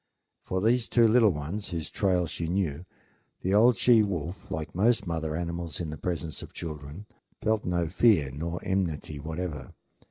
For these two little ones, whose trail she knew, the old she wolf, like most mother animals in the presence of children, felt no fear nor enmity whatever.